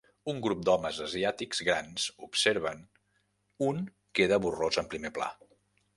Un grup d'homes asiàtics grans observen, un queda borrós en primer pla.